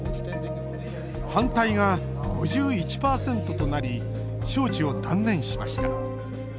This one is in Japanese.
反対が５１％となり招致を断念しました。